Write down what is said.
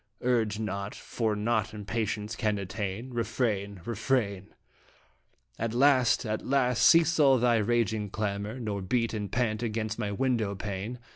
Urge not, for naught impatience can attain. Refrain ! Refrain 1 ii2 I)e Dramatic in At last, at last, cease all thy raging clamor, Nor beat and pant against my window pane.